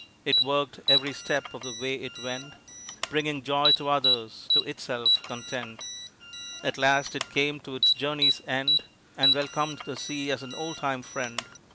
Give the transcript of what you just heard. It worked every step of the way it went, Bringing joy to others, to itself content. At last it came to its journey's end, And welcomed the sea as an old time friend.